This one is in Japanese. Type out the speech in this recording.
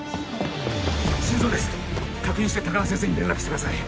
心臓です確認して高輪先生に連絡してください